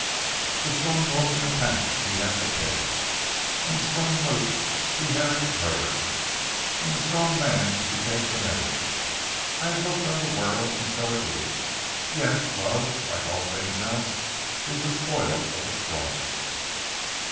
Ze strong wolf in ze pack he hav' ze pick an' ze strong bull moose he hav' ze herd; an' ze strong man he take ze maid. I have looked on ze world and so is it! Yes! Love like all dings else is ze spoil of ze strong!"